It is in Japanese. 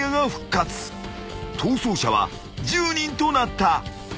［逃走者は１０人となった］